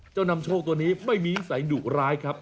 นำโชคตัวนี้ไม่มีนิสัยดุร้ายครับ